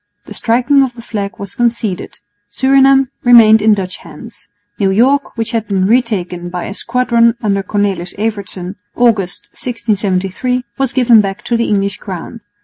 The striking of the flag was conceded. Surinam remained in Dutch hands. New York, which had been retaken by a squadron under Cornelis Evertsen, August, 1673, was given back to the English crown.